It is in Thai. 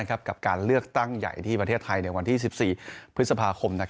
กับการเลือกตั้งใหญ่ที่ประเทศไทยในวันที่๑๔พฤษภาคม